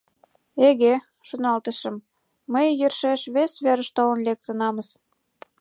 «Эге! — шоналтышым, — мый йӧршеш вес верыш толын лектынамыс: